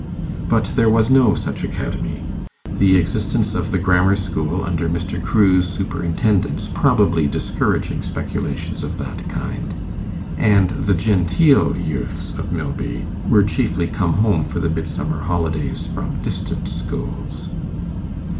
But there was no such academy, the existence of the grammar school under Mr. Crewe's superintendence probably discouraging speculations of that kind; and the genteel youths of Milby were chiefly come home for the midsummer holidays from distant schools.